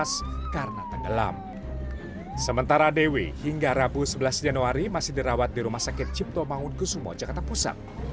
sementara dewi hingga rabu sebelas januari masih dirawat di rumah sakit cipto mangun kusumo jakarta pusat